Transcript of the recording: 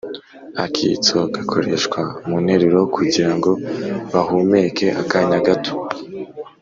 akitso (,): gakoreshwa mu nteruro kugira ngo bahumeke akanya gato.